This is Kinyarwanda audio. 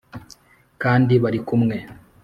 kandi barikumwe.